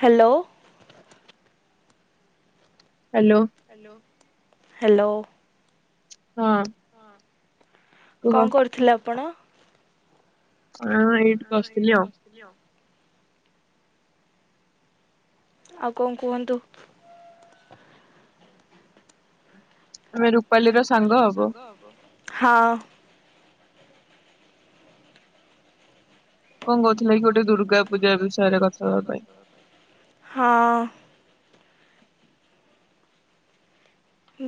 Hello? Hello? Hello? ହଁ। କଣ କରୁଥିଲେ ଆପଣ? [unintelligible] ବସଥିଲି ଆଉ। [inaudible] ଆଉ କଣ କୁହନ୍ତୁ? [inaudible] ତମେ ରୁପାଲି ର ସାଙ୍ଗ ହବ ହଁ। କଣ କହୁଥିଲା କି ଗୋଟେ ଦୁର୍ଗା ପୂଜା ବିଷୟରେ କଥା ହେବା ପାଇଁ। ହଁ।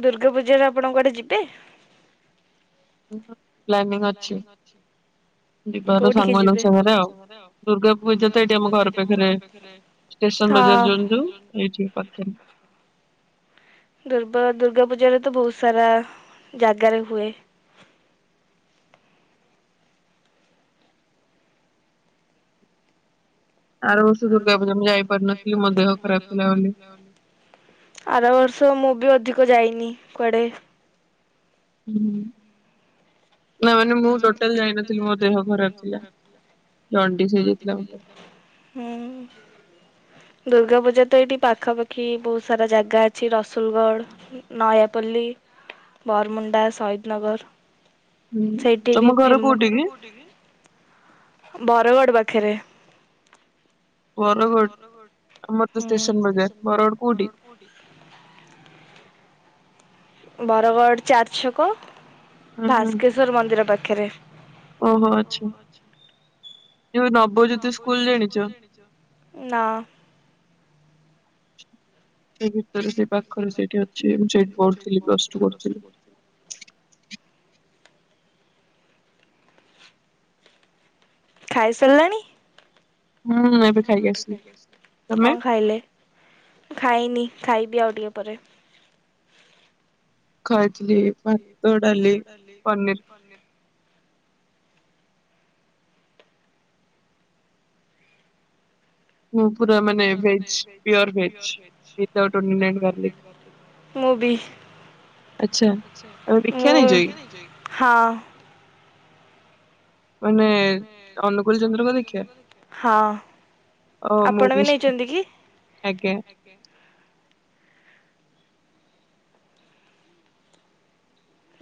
ଦୁର୍ଗା ପୂଜାରେ ଆପଣ କୁଆଡେ ଯିବେ ଓହ। ଲ୍ଲଡିଂ ଅଛିି। ଦିବାର ସାଙ୍ଗମାନାନଙ୍କ ସାଙ୍ଗରେ ଆଉ ଦୁର୍ଗା ପୂଜା ତ ଏଇଠି ଆମ ଘର ପାଖରେ ଖରେ ଷ୍ଟେସନ ବଜାର ଯୋନ ଯୁ ଏଇଠି ପାଖ। ଦୁର୍ଗ ଦୁର୍ଗା ପୂଜାରେ ତ ବହୁତ ସାରା ଜାଗାରେ ହୁଏ। ଆର ବର୍ଷ ଦୁର୍ଗା ପୂଜା ମୁଁ ଯାଇ ପାରିନଥିଲି ମୋ ଦେହ ଖରାପ ଥିଲା ବୋଲି ଆର ବର୍ଷ ମୁଁ ବି ଅଧିକ ଯାଇନି କୁଆଡେ ହୁଁ। ନା ମାନେ ମୁଁ ଟୋଟାଲ ଜାଇନଥିଲି ମୋ ଦେହ ଖରାପ ଥିଲା ଜଣ୍ଡି ହେଇଯାଇଥିଲା ମୋେ ହଁ। ଦୁର୍ଗା ପୂଜା ତ ଏଇଠି ପାଖାପାଖି ବହୁତ ସାରା ଜାଗା ଅଛି ରସୁଲଗଡ଼। ନୟାପଲ୍ଲୀ ବରମୁଣ୍ଡା ସହଦନଗର ହୁଁ ତମ ଘର କୋଉଠି କି। ଟିକି। ବରଗଡ଼ ପାଖରେ। ବରଗଡ଼ ଅମୃତ ଷ୍ଟେସନ ବଜର ବରଗଡ଼ କୁଠ। ବର ବଡ଼ ଚାରଶ କ ଭାସ୍କେଶ୍ଵର ମନ୍ଦିର ପାଖରେ। ଓହୋ ଆଛା ଯୋଉ ନବଜ୍ୟୋତି ସ୍କୁଲ ଜାଣିଛ। ନା। ସେ ଭିତରେ ସେଇ ପାଖରେ ସେଇଠି ଅଛି ମୁଁ ସେଇଠି ପଢଥିଲି ପ୍ଲଟୁ ପଢଥିଲି। [inaudible] ଖାଇ ସାର୍ଲାଣି। କଣ ଖାଇଲେ? ଖାଇନି। ଖାଇବି ଆଉ ଟିକେ ପରେ। ଖାଇଥିଲି ଭାତ, ଡାଲି, ପନିର୍। ପୁରା ମାନେ ଭେଜ୍। Pure veg. ମୁଁ ବି। ମୁଁ ହଁ। ମାନେ ଅନୁକୂଲ୍ ଚନ୍ଦ୍ରଙ୍କ ଦୀକ୍ଷା। ଓ ମୁଁ ବି। ଆଜ୍ଞା।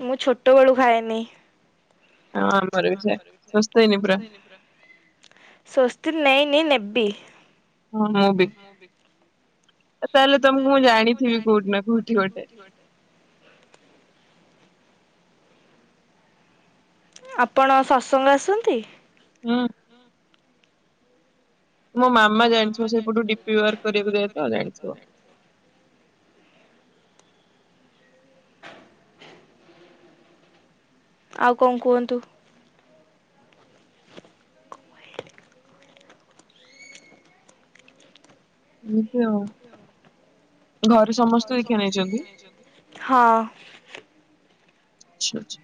ମୁଁ ଛୋଟ ବେଳୁ ଖାଏନି। ହଁ ଆମର ବି ସେୟା। ସ୍ୱସ୍ତି ନେଇନି ନେବି। ହଁ, ମୁଁ ବି ନେବି। ତାହେଲେ ତମକୁ ମୁଁ ଜାଣିଥିବି କୋଉଠି ନା କୋଉଠି ଗୋଟେ। [inaudible] ଆପଣ ସସଙ୍ଗ ଆସନ୍ତି। ହୁଁ। ମୋ ମାମା ଜାଣିଥିବ। ସେପଟୁ ଡିପି ୱାର୍କ କରିବାକୁ ଯାଏ ତ ଜାଣିଥିବ। [inaudible] ଆଉ କଣ କୁହନ୍ତୁ? ଏନ୍ତି ଆଉ। ହଁ। ଆଚ୍ଛା। ଆଚ୍ଛା।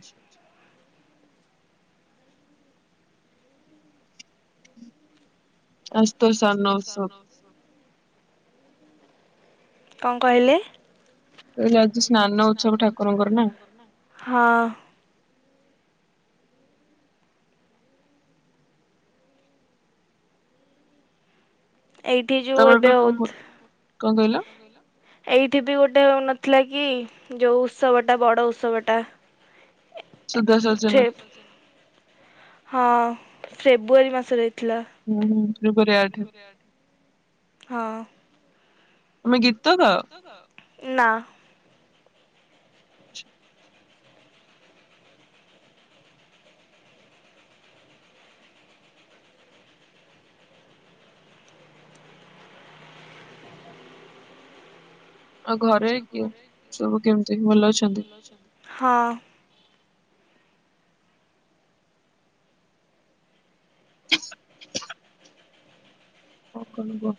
[unintelligible] କଣ କହିଲେ? ଆଜି ସ୍ନାନ ଉତ୍ସବ ଠାକୁରଙ୍କର ନା। ହଁ। ତମେ ଏବେ କଣ କରୁଛ? କଣ କହିଲ? ଏଇଠି ବି ଗୋଟେ ହଉ ନଥିଲା କି, ଯୋଉ ଉତ୍ସବଟା ବଡ ଉତ୍ସବଟା। ସୁଧା ସର୍ଜନ। ହଁ ଫେବୃଆରୀ ମାସରେ ଥିଲା। ହଁ। ତମେ ଗୀତ ଗାଓ। ନା। [inaudible] ଆଉ ଘରେ କିଏ ସବୁ କେମିତି, ଭଲ ଅଛନ୍ତି? ହଁ। [inaudible] ହଁ କହିବ।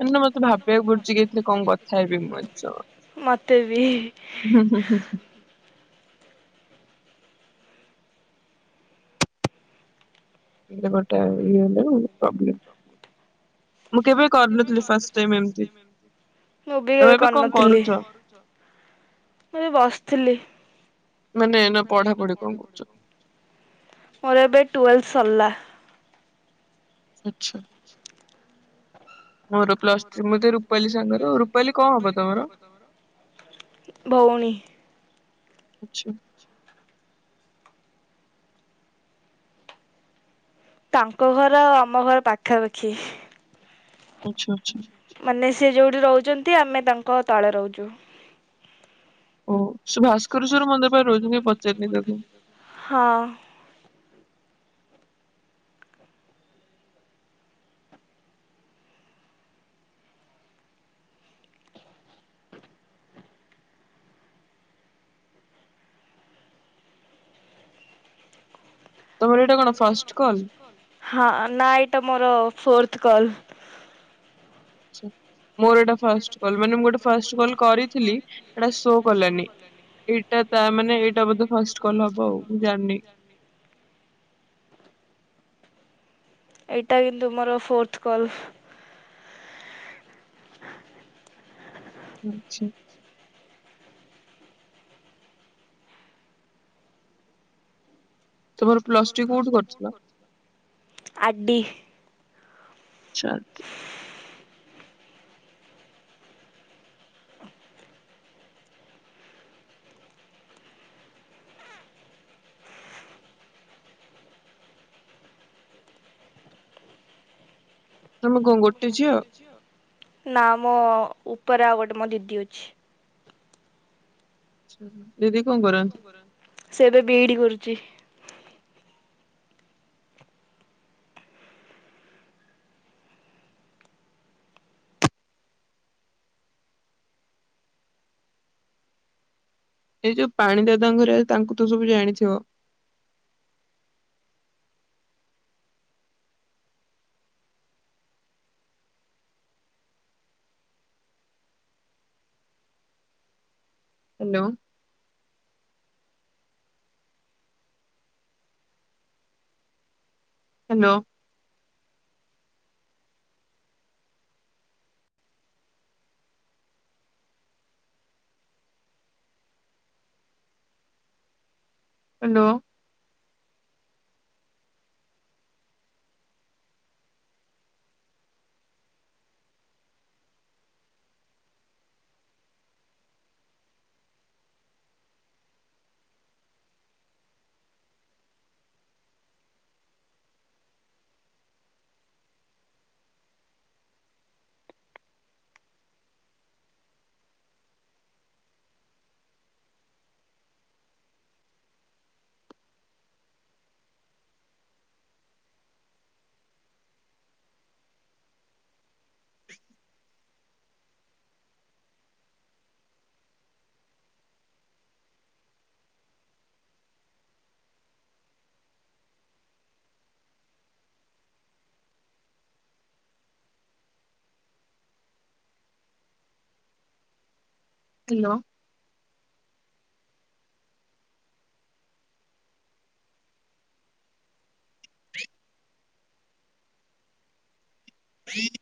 ସେଦିନ ମତେ ଭାବିବାକୁ ପଡୁଚି କି ଏଥିରେ କଣ କଥା ହେବି। ମୁଁ ଏ ଚ ହୁଁ ହୁଁ ହୁଁ ହୁଁ। ଏଥିରେ ଗୋଟେ ଇଏ [unintelligible] ପ୍ରୋବ୍ଲେ ମୁଁ କେବେ କରିନଥିଲି ଫାଷ୍ଟ୍ ଟାଇମ୍ ଏମ୍ତି। ଆଉ ଏବେ କଣ କରୁଚ? ମୁଁ ଏବେ ବସ୍ଥିଲି। ମାନେ ଏଇନେ ପଢାପଢି କଣ କରୁଚ? ମୋର ଏବେ ଟୁୱଲଥ୍ ସର୍ଲା। ଆଚ୍ଛା। ମୋରପ୍ଲସ୍ ମତେ ରୂପାଲି ସାଙ୍ଗ ରୂପାଲି କଣ ହବ ତମର? ଭଉଣୀ। ଆଚ୍ଛା ତାଙ୍କ ଘର ଆଉ ଆମ ଘର ପାଖାପାଖି। ଆଚ୍ଛା ଆଚ୍ଛା ମାନେ ସେ ଯେଉଁଠି ରହୁଛନ୍ତି ଆମେ ତାଙ୍କ ତଳେ ରହୁଛୁ। ଓ ସୁ ଭାସ୍କରେଶ୍ଵର ମନ୍ଦିର ପାଇଁ ରହୁଛି କ ପଚାରିନି ତାକୁ। ହଁ ତମର ଏଇଟା କଣ ଫାଷ୍ଟ। ହଁ ନାଇଟ ମୋର ଫୋର୍ଥ କଲ। ମୋର ଏଟା ଫାଷ୍ଟ କଲ ମାନେ ମୁଁ ଗୋଟେ ଫାଷ୍ଟ କଲ କରି ଥିଲ ସେଟା ଶୋ କଲାନି ଏଇଟା ତା ମାନେ ଏଇଟା ବୋେ ଫାଷ୍ଟ କଲ ହବ ଆଉ ଜର୍ନି ଏଇଟା କିନ୍ତୁ ମୋର ଫୋର୍ଥ କଲ। ଆଚ୍ଛା ତୁମର ପ୍ଲସ ଟୁ କୋଉଠି କରିଥିଲ। ଆର୍ ଡି ଆଛା ତମ କଣ ଗୋଟେ ଝିଅ? ନା ମୋ ଉପରେ ଆଉ ଗୋଟେ ମୋ ଦିଦି ଅଛି। ଦିଦି କଣ? ସେ ଏବେ ବିଇଡି କରୁଛି। ଏଇ ଯୋଉ ପାଣି ଦାଦା ଘରେ ତାଙ୍କୁ ତ ସବୁ ଜାଣିଥିବ। Hello hello hello hello [inaudible]